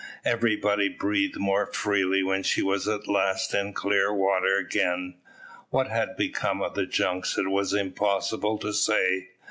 Everybody breathed more freely when she was at last in clear water again. What had become of the junks it was impossible to say.